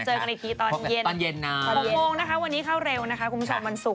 เดี๋ยวเราเจอกันอีกทีตอนเย็น๖โมงนะคะวันนี้เข้าเร็วนะคะคุณผู้ชมมันสุก